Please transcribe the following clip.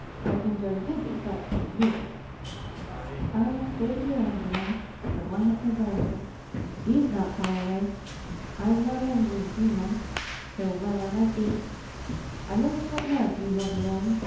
I have been very busy, but — ^really " "Ah, save yer anger, mum, for one that desarves it. He's ndt far away. I am not angry with you, mum, though well I might be. I know with what love ye love yer own.